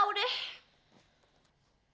aku mau pergi